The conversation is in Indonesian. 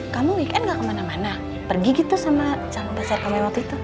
kamu weekend gak kemana mana pergi gitu sama calon pasar kamerot itu